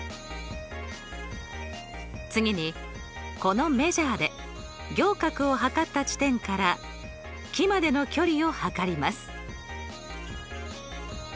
次にこのメジャーで仰角を測った地点から木までの距離を測ります。